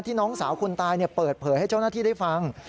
น้องสาวคนตายเปิดเผยให้เจ้าหน้าที่ได้ฟัง